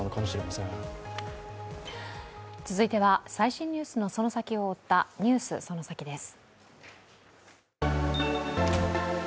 続いては最新ニュースのその先を追った「ＮＥＷＳそのサキ！」です。